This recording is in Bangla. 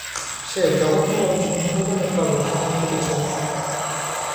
সে জঘন্যভাবে, সন্দেহজনকভাবে সংরক্ষিত ছিল।